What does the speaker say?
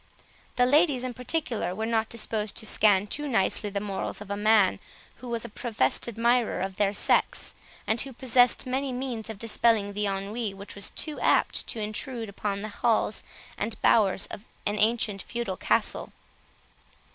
The ladies, in particular, were not disposed to scan too nicely the morals of a man who was a professed admirer of their sex, and who possessed many means of dispelling the ennui which was too apt to intrude upon the halls and bowers of an ancient feudal castle.